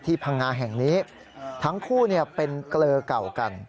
พังงาแห่งนี้ทั้งคู่เป็นเกลือเก่ากัน